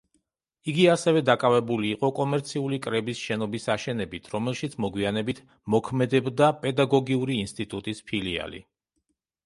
იგი ასევე დაკავებული იყო კომერციული კრების შენობის აშენებით, რომელშიც მოგვიანებით მოქმედებდა პედაგოგიური ინსტიტუტის ფილიალი.